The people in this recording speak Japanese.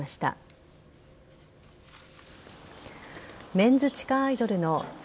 メンズ地下アイドルの男